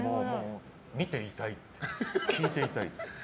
見ていたい、聞いていたい。